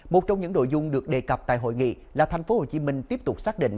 một trong những nội dung được đề cập tại hội nghị là tp hcm tiếp tục xác định